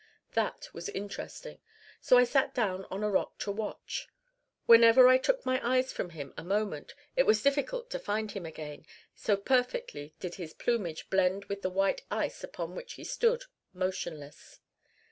That was interesting; so I sat down on a rock to watch. Whenever I took my eyes from him a moment, it was difficult to find him again, so perfectly did his plumage blend with the white ice upon which he stood motionless.